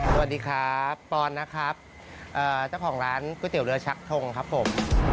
สวัสดีครับปอนนะครับเจ้าของร้านก๋วยเตี๋ยเรือชักทงครับผม